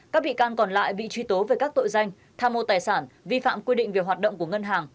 các bị can còn lại bị truy tố về các tội danh tha mô tài sản vi phạm quy định về hoạt động của ngân hàng